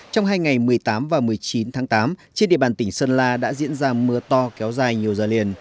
trong hai ngày một mươi tám và một mươi chín tháng tám trên địa bàn tỉnh sơn la đã diễn ra mưa to kéo dài nhiều giờ liền